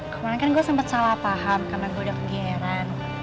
kemarin kan gue sempat salah paham karena gue udah kegeeran